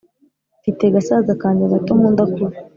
Mfite gasaza kanjye gato nkunda kubi